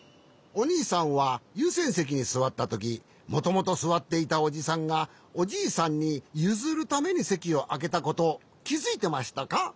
おにいさんはゆうせんせきにすわったときもともとすわっていたおじさんがおじいさんにゆずるためにせきをあけたことをきづいてましたか？